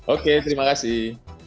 oke terima kasih